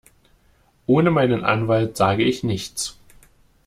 Ohne meinen Anwalt sage ich nichts.